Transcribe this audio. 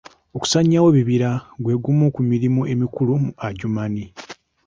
Okusaanyawo ebibira gwe gumu ku mirimu emikulu mu Adjumani.